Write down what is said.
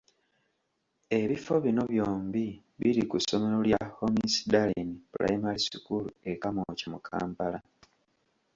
Ebifo bino byombi biri ku ssomero lya Homisdallen Primary School e Kamwokya mu Kampala.